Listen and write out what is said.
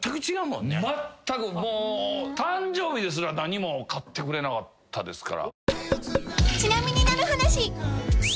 誕生日ですら何も買ってくれなかったですから。